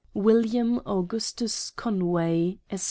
WILLIAM AUGUSTUS CONWAY, Esq.